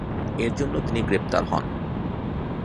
এর জন্য তিনি গ্রেপ্তার হন।